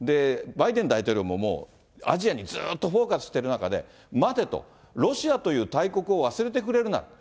バイデン大統領ももうアジアにずっとフォーカスしてる中で、待てと、ロシアという大国を忘れてくれるな。